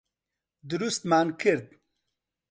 دروستمان کرد.